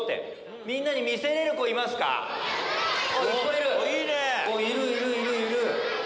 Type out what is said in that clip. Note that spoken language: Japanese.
いるいるいるいる。